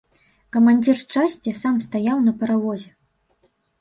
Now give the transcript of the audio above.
Камандзір часці сам стаяў на паравозе.